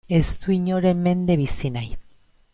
Ez du inoren mende bizi nahi.